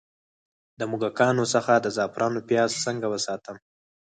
د موږکانو څخه د زعفرانو پیاز څنګه وساتم؟